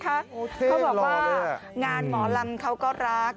เขาบอกว่างานหมอลำเขาก็รัก